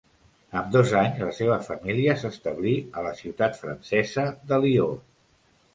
Amb dos anys, la seva família s'establí a la ciutat francesa de Lió.